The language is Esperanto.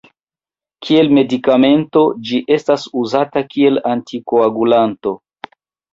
Kiel medikamento ĝi estas uzata kiel antikoagulanto.